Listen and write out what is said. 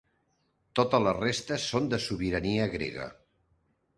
Tota la resta són de sobirania grega.